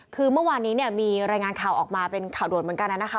คือเมื่อวานนี้เนี่ยมีรายงานข่าวออกมาเป็นข่าวด่วนเหมือนกันนะคะ